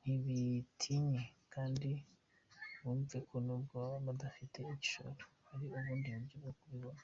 Ntibitinye kandi bumve ko nubwo baba badafite igishoro, hari ubundi buryo bwo kukibona.